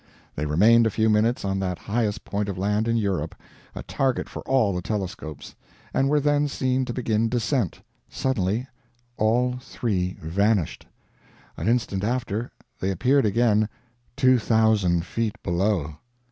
They remained a few minutes on that highest point of land in Europe, a target for all the telescopes, and were then seen to begin descent. Suddenly all three vanished. An instant after, they appeared again, TWO THOUSAND FEET BELOW!